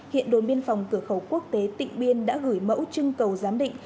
hiện đồn biên phòng cửa khẩu quốc tế tịnh biên đã gửi mẫu chưng cầu giám định